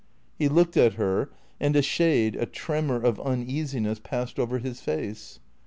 He looked at her and a shade, a tremor, of uneasiness passed over his face.